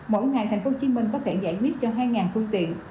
mỗi ngày thành phố hồ chí minh có thể giải quyết cho hai phương tiện